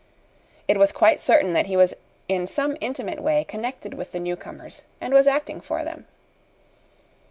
It was quite certain that he was in some intimate way connected with the newcomers and was acting for them.